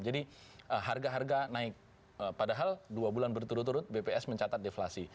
jadi harga harga naik padahal dua bulan berturut turut bps mencatat deflasi